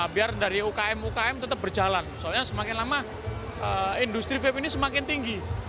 biar dari ukm ukm tetap berjalan soalnya semakin lama industri vape ini semakin tinggi